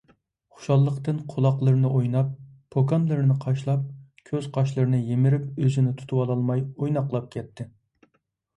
خۇشاللىقتىن قۇلاقلىرىنى ئويناپ، پوكانلىرىنى قاشلاپ، كۆز - قاشلىرىنى يىمىرىپ ئۆزىنى تۇتۇۋالالماي ئويناقلاپ كەتتى.